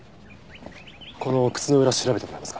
この靴の裏調べてもらえますか？